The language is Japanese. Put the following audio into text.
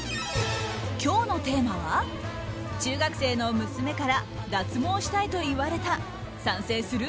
今日のテーマは、中学生の娘から脱毛したいと言われた賛成する？